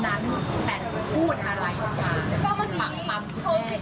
อย่างสมมุติทำไมเราถึงแก้กฎระเบียบแบบนี้ได้